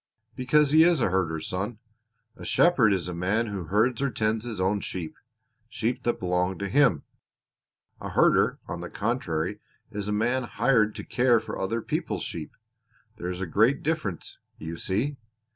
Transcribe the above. "Because he is a herder, son. A shepherd is a man who herds or tends his own sheep sheep that belong to him; a herder, on the contrary, is a man hired to care for other people's sheep. There is a great difference, you see.